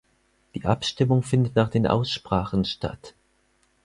Die Abstimmung findet nach den Aussprachen statt.